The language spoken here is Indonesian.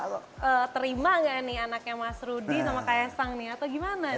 masyarakat terima enggak nih anaknya mas rudi sama kak esang nih atau gimana